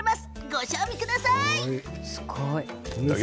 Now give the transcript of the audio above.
ご賞味ください。